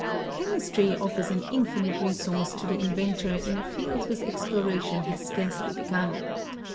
* Chemistry offers an infinite resource to the inventor in a field whose exploration has scarcely begun.